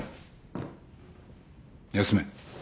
休め。